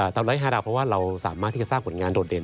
ตาม๑๐๕ดาวเพราะว่าเราสามารถที่จะสร้างผลงานโดดเด่น